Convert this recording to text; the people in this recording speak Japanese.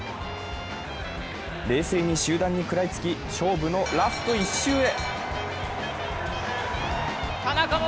冷静に集団に食らいつき勝負のラスト１周へ。